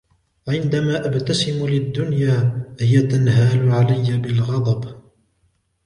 عندم أبتسم للدنيا، هي تنهال عليّ بالغضب.